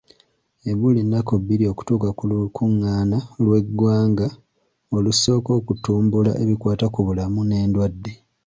Ebula nnaku bbiri okutuuka ku lukungaana lw'eggwanga olusooka olutumbula ebikwata ku bulamu n'endwadde.